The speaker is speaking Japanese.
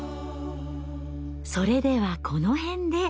それではこの辺で。